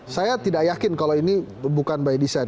saya tidak yakin kalau ini bukan by design